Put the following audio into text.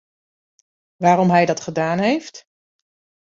Waarom hij dat gedaan heeft?